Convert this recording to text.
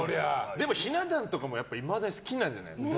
でも、ひな壇とかもいまだに好きなんじゃないですか？